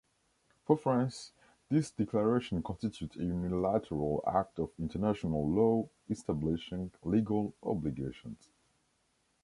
For France, this declaration constitutes a unilateral act of international law establishing legal obligations.